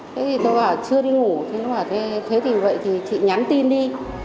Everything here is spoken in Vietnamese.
thế thì tôi bảo chưa đi ngủ thế thì vậy thì chị nhắn tin đi